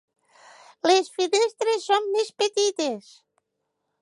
Les finestres són més petites.